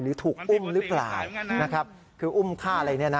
หรือถูกอุ้มหรือเปล่าคืออุ้มค่าอะไรนี่นะ